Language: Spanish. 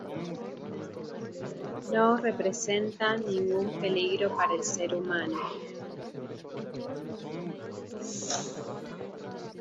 No representa ningún peligro para el ser humano.